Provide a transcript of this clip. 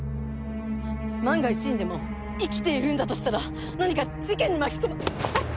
万が一にでも生きているんだとしたら何か事件に巻き込ま。